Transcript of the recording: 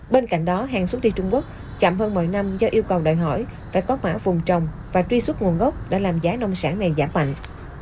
bên cạnh đó hàng xuất đi trung quốc chậm hơn mọi năm do yêu cầu đòi hỏi phải có mã vùng trồng và truy xuất nguồn gốc đã làm giá nông sản này giảm mạnh